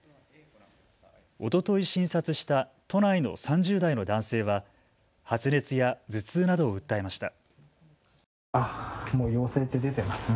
おととい診察した都内の３０代の男性は発熱や頭痛などを訴えました。